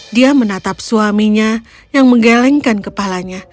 dia menatap suaminya yang menggelengkan kepalanya